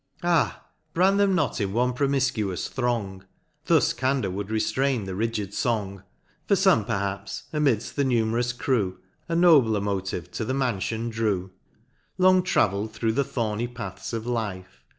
Ah ! brand them not in one promifcuous throng (Thus candor wou'd reftrain the rigid fong,) For fome perhaps, amidft the numerous crew, A nobler motive to the manlion drew : —Long travell'd thro' the thorny paths of life.